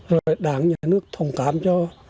rồi đảng nhà nước thông cảm cho